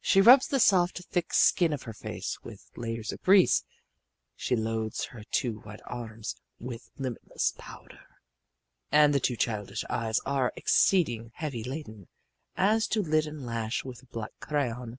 She rubs the soft, thick skin of her face with layers of grease. She loads her two white arms with limitless powder. And the two childish eyes are exceeding heavy laden as to lid and lash with black crayon.